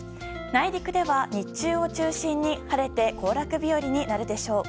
内陸では日中を中心に晴れて行楽日和になるでしょう。